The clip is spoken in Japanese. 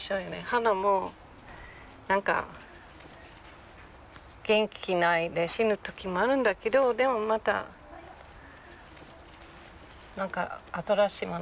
花も何か元気ないで死ぬ時もあるんだけどでもまた何か新しいもの考えたらいいと思って。